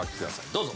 どうぞ。